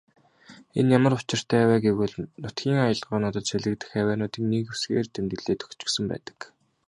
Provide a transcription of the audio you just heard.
Энэ ямар учиртай вэ гэвэл нутгийн аялгуунуудад сэлгэгдэх авиануудыг нэг үсгээр тэмдэглээд өгчихсөн байдаг.